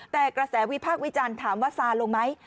แต่กระแสวิพากษ์วิจารณ์ถามว่าซาลงไหม